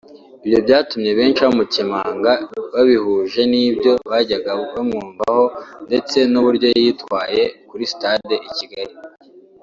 Ibyo byatumye benshi bamukemanga babihuje n'ibyo bajyaga bamwumvaho ndetse n'uburyo yitwaye kuri stage i Kigali